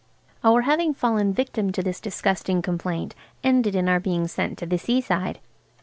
Our having fallen victims to this disgusting complaint ended in our being sent to the seaside.